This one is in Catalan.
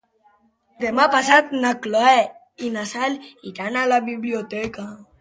Demà passat na Cloè i na Cel iran a la biblioteca.